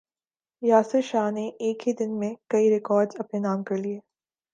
یاسر شاہ نے ایک ہی دن میں کئی ریکارڈز اپنے نام کر لیے